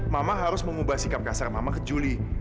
mama harus mengubah sikap kasar mama ke juli